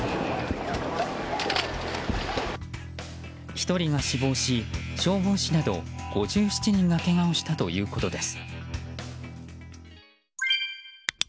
１人が死亡し消防士など５７人がけがをしたということです。